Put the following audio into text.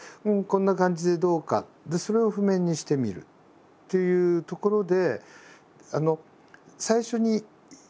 でそれを譜面にしてみるっていうところで。